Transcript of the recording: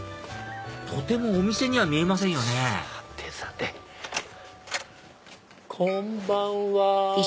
とてもお店には見えませんよねこんばんは。